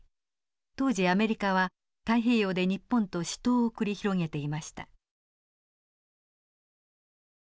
当時アメリカは太平洋で日本と死闘を繰り広げていました。